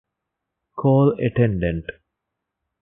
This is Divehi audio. ކޯލް އެޓެންޑެންޓް